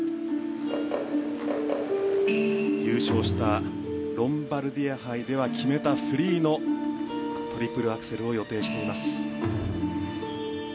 優勝したロンバルディア杯では決めたフリーのトリプルアクセルを予定しています。